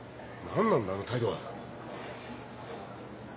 何なんだあの態度は。